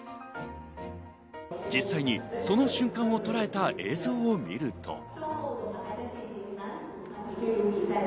実際に、その瞬間をとらえた映像を見ると。